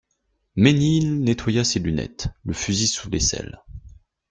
Mesnil nettoya ses lunettes, le fusil sous l'aisselle.